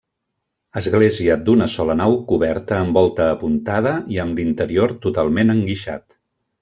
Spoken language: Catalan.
Església d'una sola nau coberta amb volta apuntada i amb l'interior totalment enguixat.